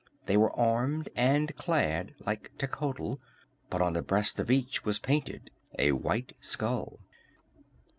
They were armed and clad like Techotl, but on the breast of each was painted a white skull.